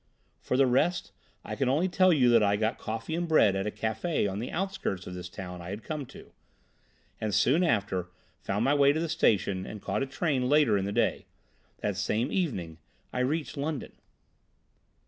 "For the rest, I can only tell you that I got coffee and bread at a café on the outskirts of this town I had come to, and soon after found my way to the station and caught a train later in the day. That same evening I reached London."